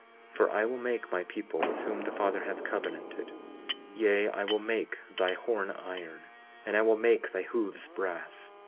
20:19 For I will make my people with whom the Father hath covenanted, yea, I will make thy horn iron, and I will make thy hoofs brass.